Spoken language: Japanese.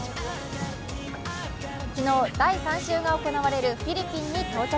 昨日第３周が行われるフィリピンに到着。